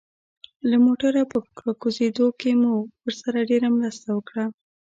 له موټره په راکوزېدو کې مو ورسره ډېره مرسته وکړه.